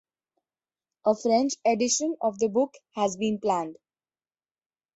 A French edition of the book has been planned.